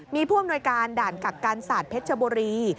มีผู้อำนวยการด่านกักกันศาสตร์เพชรชบุรี